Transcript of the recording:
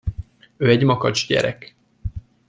Ő egy makacs gyerek.